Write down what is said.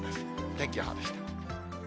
天気予報でした。